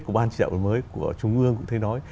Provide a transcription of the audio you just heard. của ban trị đạo mới của trung ương cũng thấy nói